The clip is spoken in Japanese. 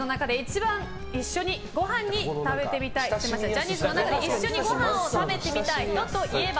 ジャニーズの中で一緒にご飯を食べてみたい人といえば？